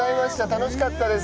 楽しかったです。